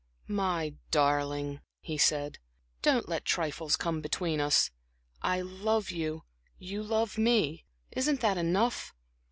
"My darling," he said, "don't let trifles come between us. I love you, you love me; isn't that enough?